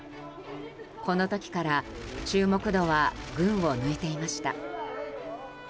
この時から注目度は群を抜いていました。